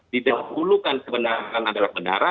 tidak melakukan kebenaran kebenaran